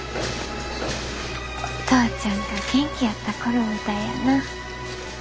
お父ちゃんが元気やった頃みたいやな。